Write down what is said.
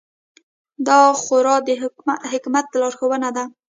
دا خورا د حکمت لارښوونه ده.